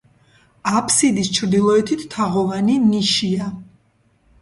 აბსიდის ჩრდილოეთით თაღოვანი ნიშია.